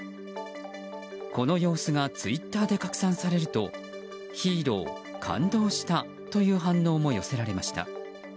この様子がツイッターで拡散されるとヒーロー、感動したという反応も寄せられました。